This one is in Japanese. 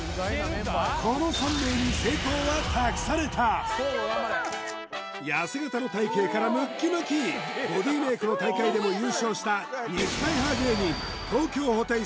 この３名に成功は託された痩せ形の体形からムッキムキボディメイクの大会でも優勝した肉体派芸人